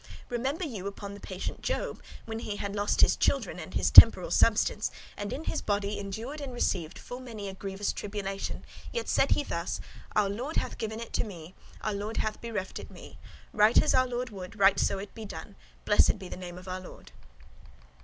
Remember you upon the patient Job, when he had lost his children and his temporal substance, and in his body endured and received full many a grievous tribulation, yet said he thus: 'Our Lord hath given it to me, our Lord hath bereft it me; right as our Lord would, right so be it done; blessed be the name of our Lord."